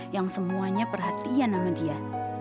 yang semuanya perhatian sama dia